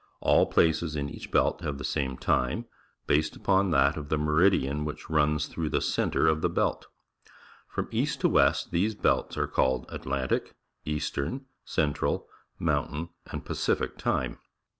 All places in each belt have the same time, based upon that of the meri dian wh ic h runs tlirough the centre of the belt. From east to west, these belts are called Atlgjilic, 'Eastern, Central, Mountain, and Pacific T ime.